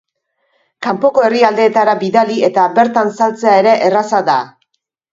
Kanpoko herrialdeetara bidali eta bertan saltzea ere erraza da.